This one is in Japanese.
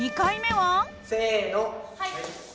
はい。